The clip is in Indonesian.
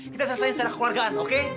kita selesaikan secara kekeluargaan oke